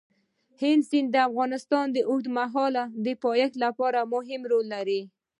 هلمند سیند د افغانستان د اوږدمهاله پایښت لپاره مهم رول لري.